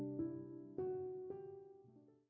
ขอบคุณทุกคนที่ช่วยด้วย